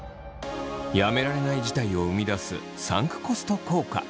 やめられない事態を生み出すサンクコスト効果。